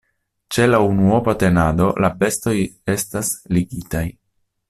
Ĉe la unuopa tenado la bestoj estas ligitaj.